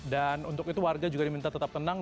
dan untuk itu warga juga diminta tetap tenang